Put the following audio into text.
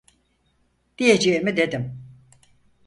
Diyeceğimi dedim.